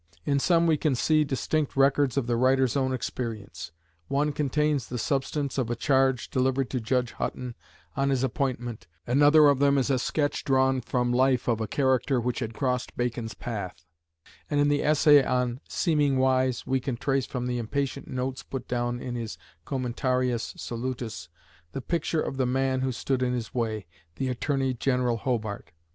In some we can see distinct records of the writer's own experience: one contains the substance of a charge delivered to Judge Hutton on his appointment; another of them is a sketch drawn from life of a character which had crossed Bacon's path, and in the essay on Seeming Wise we can trace from the impatient notes put down in his Commentarius Solutus, the picture of the man who stood in his way, the Attorney General Hobart.